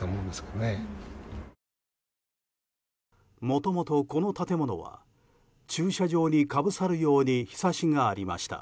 もともと、この建物は駐車場にかぶさるようにひさしがありました。